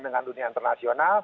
dengan dunia internasional